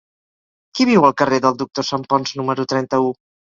Qui viu al carrer del Doctor Santponç número trenta-u?